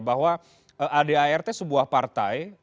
bahwa adart sebuah partai